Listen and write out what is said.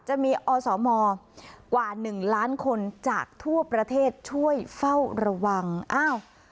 จะมีอสมกว่าหนึ่งล้านคนจากทั่วประเทศช่วยเฝ้าระวังอ้าว